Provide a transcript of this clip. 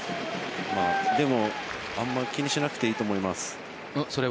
あまり気にしなくていいと思います。